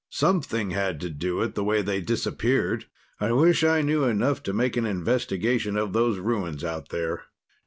Something had to do it, the way they disappeared. I wish I knew enough to make an investigation of those ruins out there."